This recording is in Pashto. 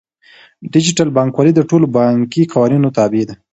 ډیجیټل بانکوالي د ټولو بانکي قوانینو تابع ده.